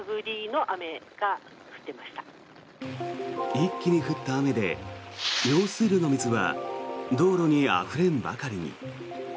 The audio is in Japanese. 一気に降った雨で用水路の水は道路にあふれんばかりに。